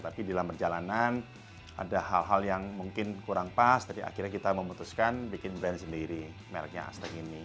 tapi dalam perjalanan ada hal hal yang mungkin kurang pas jadi akhirnya kita memutuskan bikin brand sendiri mereknya hashtag ini